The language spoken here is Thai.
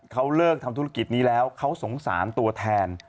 เขาเลิกทำธุรกิจนี้แล้วเขาสงสารตัวแทน